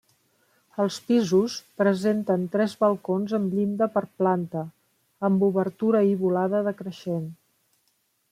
Els pisos presenten tres balcons amb llinda per planta, amb obertura i volada decreixent.